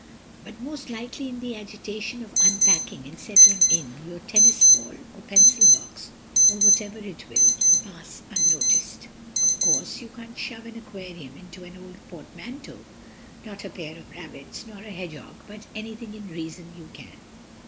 But most likely in the agitation of unpacking and settling in, your tennis ball, or pencil box, or whatever it is, will pass unnoticed. Of course, you can't shove an aquarium into the old portmanteau—nor a pair of rabbits, nor a hedgehog—but anything in reason you can.